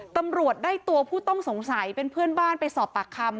ตำรวจได้ตัวผู้ต้องสงสัยเป็นเพื่อนบ้านไปสอบปากคำ